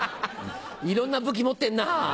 いろんな武器持ってんな。